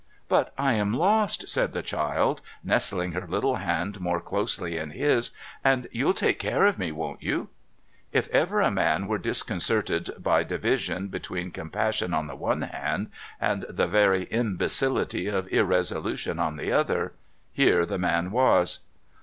' But I am lost,' said the child, nestling her little hand more closely in his, ' and you'll take care of me, won't you ?' If ever a man were disconcerted by division between com passion on the one hand, and the very imbecility of irresolution on the other, here the man was.